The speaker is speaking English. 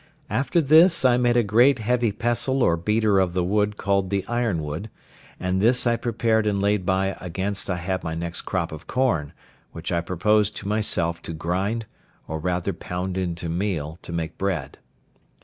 After this, I made a great heavy pestle or beater of the wood called the iron wood; and this I prepared and laid by against I had my next crop of corn, which I proposed to myself to grind, or rather pound into meal to make bread.